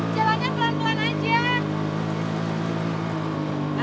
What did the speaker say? jalannya pelan pelan aja